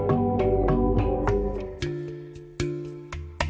kau mencari aku pengeleng eleng